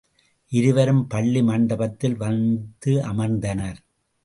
இருவரும் பள்ளி மண்டபத்தில் வந்து அமர்ந்தனர்.